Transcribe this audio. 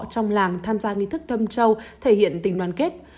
trong làng tham gia nghi thức đâm châu thể hiện tình đoàn kết